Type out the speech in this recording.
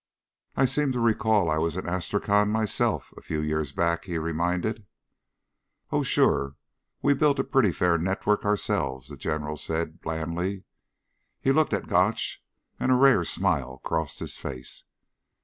"I seem to recall I was in Astrakhan myself a few years back," he reminded. "Oh, sure, we build pretty fair networks ourselves," the General said blandly. He looked at Gotch and a rare smile crossed his face.